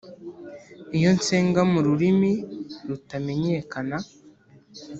Iyo nsenga mu rurimi rutamenyekana